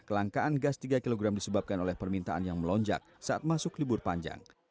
kelangkaan gas tiga kg disebabkan oleh permintaan yang melonjak saat masuk libur panjang